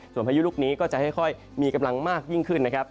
ส่วนพายุลูกนี้ก็จะค่อยมีกำลังมากยิ่งขึ้นนะครับ